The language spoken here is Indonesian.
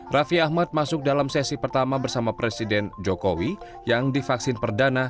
raffi ahmad masuk dalam sesi pertama bersama presiden jokowi yang divaksin perdana